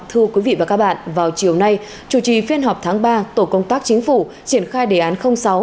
thưa quý vị và các bạn vào chiều nay chủ trì phiên họp tháng ba tổ công tác chính phủ triển khai đề án sáu